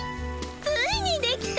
ついにできた。